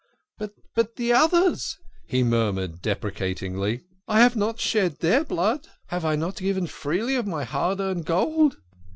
"But the others "he murmured deprecatingly. "I have not shed their blood have I not given freely of my hard earned gold